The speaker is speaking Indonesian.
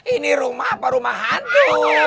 ini rumah apa rumah hantu